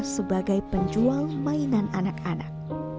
sebagai penjual mainan anak anak